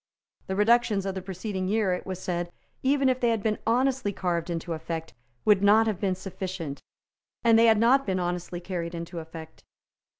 The reductions of the preceding year, it was said, even if they had been honestly carved into effect, would not have been sufficient; and they had not been honestly carried into effect.